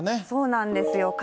そうなんですよ。